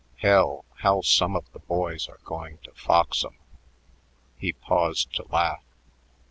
Hell! how some of the boys are going to fox 'em." He paused to laugh.